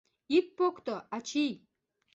Ит покто, ачий!